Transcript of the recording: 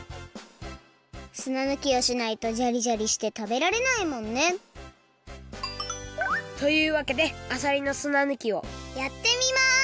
砂ぬきをしないとジャリジャリしてたべられないもんねというわけであさりの砂ぬきをやってみます！